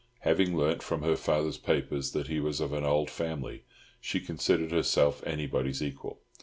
Having learnt from her father's papers that he was of an old family, she considered herself anybody's equal.